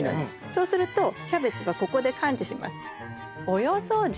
そうするとキャベツがここで感知します。